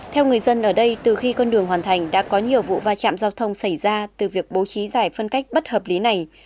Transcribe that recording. theo người dân ở đây từ khi con đường hoàn thành đã có nhiều vụ va chạm giao thông xảy ra từ việc bố trí giải phân cách bất hợp lý này